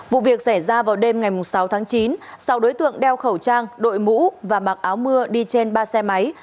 vụ việc xảy ra vào đêm ngày sáu tháng chín sau đối tượng đeo khẩu trang đội mũ và mặc áo mưa đi trên ba xe máy